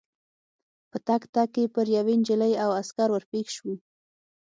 په تګ تګ کې پر یوې نجلۍ او عسکر ور پېښ شوو.